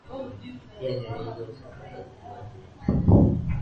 pia nywele hizo husokotwa zikiwa zimeunganishwa